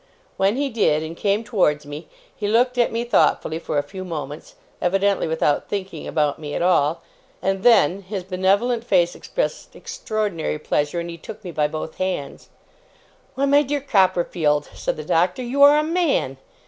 When he did, and came towards me, he looked at me thoughtfully for a few moments, evidently without thinking about me at all; and then his benevolent face expressed extraordinary pleasure, and he took me by both hands. 'Why, my dear Copperfield,' said the Doctor, 'you are a man!